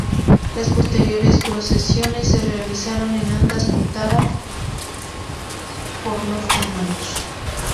Las posteriores procesiones se realizaron en andas portadas por los hermanos.